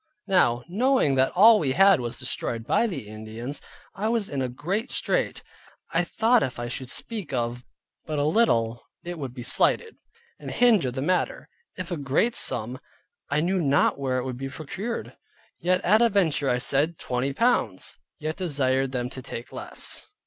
Now knowing that all we had was destroyed by the Indians, I was in a great strait. I thought if I should speak of but a little it would be slighted, and hinder the matter; if of a great sum, I knew not where it would be procured. Yet at a venture I said "Twenty pounds," yet desired them to take less.